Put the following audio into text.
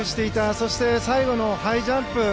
そして最後のハイジャンプ。